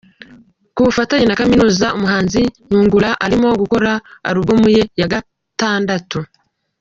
Ku bufatanye na Kaminuza umuhanzi Nyungura arimo gukora alubumu ye ya gatandatu